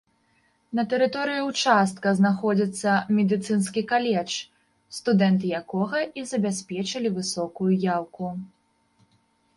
На тэрыторыі ўчастка знаходзіцца медыцынскі каледж, студэнты якога і забяспечылі высокую яўку.